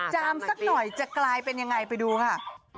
จามสักหน่อยจะกลายเป็นยังไงไปดูค่ะ